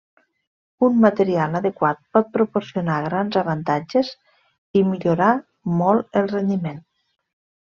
Un material adequat pot proporcionar grans avantatges i millorar molt el rendiment.